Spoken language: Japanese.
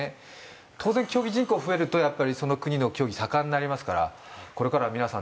当然競技人口増えるとやっぱりその国の競技盛んになりますからこれからは皆さん